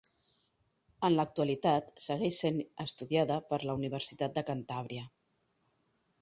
En l'actualitat segueix sent estudiada per la Universitat de Cantàbria.